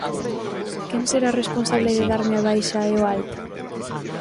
Quen será responsable de darme a baixa e o alta?